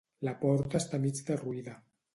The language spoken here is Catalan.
La porta està mig derruïda.